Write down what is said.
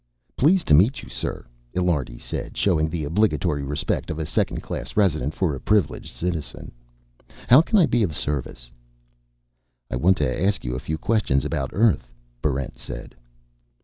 "Pleased to meet you, sir," Illiardi said, showing the obligatory respect of a Second Class Resident for a Privileged Citizen. "How can I be of service?" "I want to ask you a few questions about Earth," Barrent said.